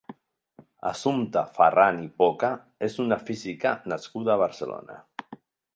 Assumpta Farran i Poca és una física nascuda a Barcelona.